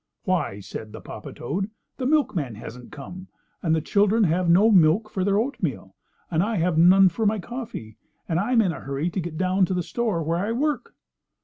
"Why," said the papa toad, "the milkman hasn't come, and the children have no milk for their oatmeal, and I have none for my coffee, and I'm in a hurry to get down to the store where I work."